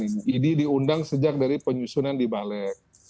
ini diundang sejak dari penyusunan di balai